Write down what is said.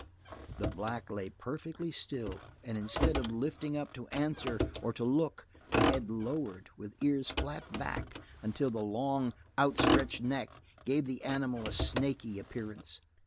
The black lay perfectly still, and instead of lifting up to answer or to look, the head lowered with ears flat back until the long, outstretched neck gave the animal a snaky appearance.